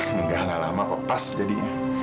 enggak lah lama kok pas jadi